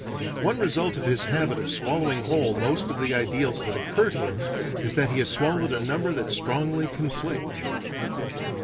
One result of his habit of swallowing whole most of the ideals that occur to him, is that he has swallowed a number that strongly conflict.